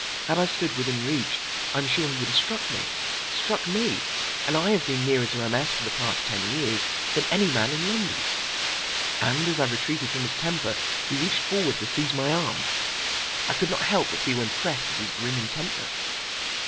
Had I stood within reach, I am sure he would have struck me. Struck me! And I have been nearer to M. S. for the past ten years than any man in London. And as I retreated from his temper, he reached forward to seize my arm. I could not help but feel impressed at his grim intentness.